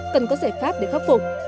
cần có giải pháp để khắc phục